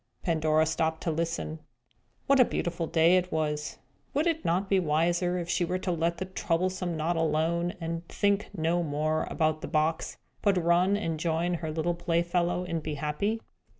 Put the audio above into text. Pandora stopped to listen. What a beautiful day it was! Would it not be wiser if she were to let the troublesome knot alone, and think no more about the box, but run and join her little playfellow and be happy?